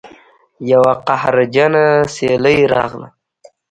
یوه قهرجنه سیلۍ راغله